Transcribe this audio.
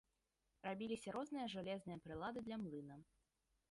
Рабіліся розныя жалезныя прылады для млына.